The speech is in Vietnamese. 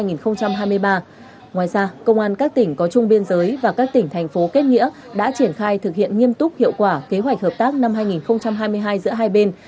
ngoài ra công an các tỉnh có chung biên giới và các tỉnh thành phố kết nghĩa đã triển khai thực hiện nghiêm túc hiệu quả kế hoạch hợp tác năm hai nghìn hai mươi hai giữa hai bên